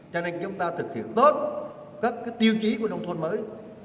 cho nên chúng ta thực hiện tốt các tiêu chí của nông thôn mới